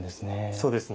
そうですね。